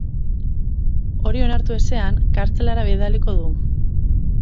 Hori onartu ezean, kartzelara bidaliko du.